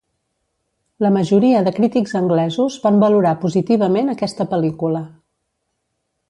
La majoria de crítics anglesos van valorar positivament aquesta pel·lícula.